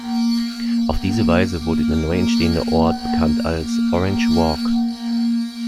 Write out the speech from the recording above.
Auf diese Weise wurde der neu entstehende Ort bekannt als "Orange Walk".